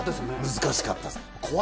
難しかったです。